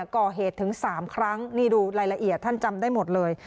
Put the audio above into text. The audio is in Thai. ก่อเหตุถึง๓ครั้งนี่ดูรายละเอียดท่านจำได้หมดเลย